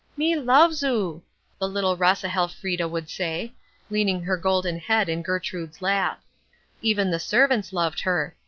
"Me loves oo," the little Rasehellfrida would say, leaning her golden head in Gertrude's lap. Even the servants loved her.